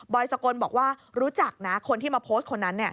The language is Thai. สกลบอกว่ารู้จักนะคนที่มาโพสต์คนนั้น